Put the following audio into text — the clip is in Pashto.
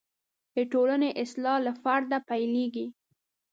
د ټولنې اصلاح له فرده پیلېږي.